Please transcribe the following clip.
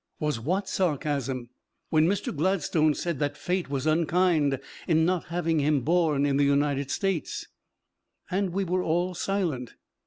"Was what sarcasm?" "When Mr. Gladstone said that Fate was unkind in not having him born in the United States!" And we were all silent.